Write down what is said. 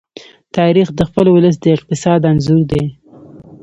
تاریخ د خپل ولس د اقتصاد انځور دی.